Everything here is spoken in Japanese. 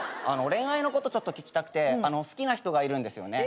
恋愛のこと聞きたくて好きな人がいるんですよね。